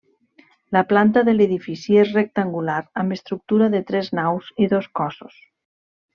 La planta de l'edifici és rectangular amb estructura de tres naus i dos cossos.